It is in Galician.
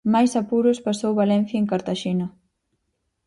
Máis apuros pasou o Valencia en Cartaxena.